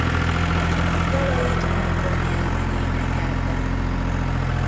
Dalait angol nyelven énekelte.